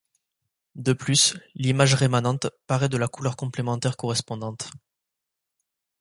De plus, l'image rémanente paraît de la couleur complémentaire correspondante.